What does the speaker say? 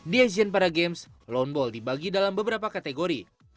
di asian paragames lawnball dibagi dalam beberapa kategori